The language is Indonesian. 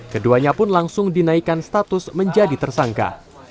keduanya pun langsung dinaikkan status menjadi tersangka